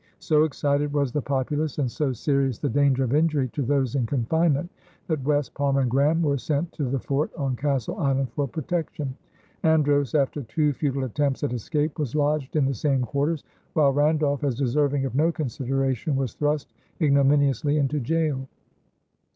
So excited was the populace and so serious the danger of injury to those in confinement, that West, Palmer, and Graham were sent to the fort on Castle Island for protection; Andros, after two futile attempts at escape, was lodged in the same quarters, while Randolph, as deserving of no consideration, was thrust ignominiously into jail.